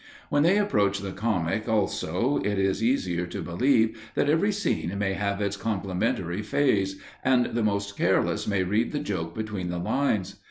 When they approach the comic, also, it is easier to believe that every scene may have its complimentary phase, and the most careless may read the joke between the lines.